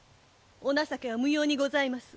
お情けは無用にございます。